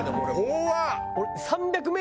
怖っ！